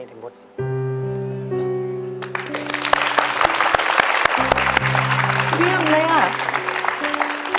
เปรี้ยมเลยน่ะ